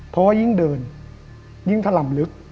เพราะว่ายิ่งเดินยิ่งถล่ำลึก